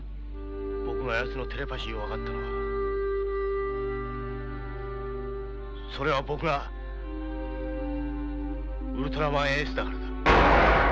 僕がやつのテレパシーを分かったのはそれは僕がウルトラマンＡだからだ。